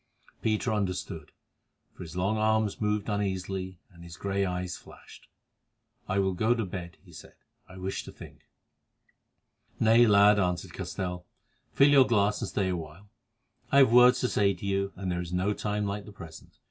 Peter understood, for his long arms moved uneasily, and his grey eyes flashed. "I will go to bed," he said; "I wish to think." "Nay, lad," answered Castell, "fill your glass and stay awhile. I have words to say to you, and there is no time like the present.